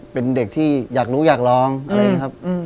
เป็นเด็กที่อยากรู้อยากร้องอะไรอย่างนี้ครับ